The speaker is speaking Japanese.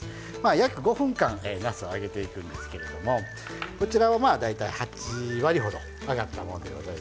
約５分間なすを揚げていくんですけれどこちら８割ほど揚がったものです。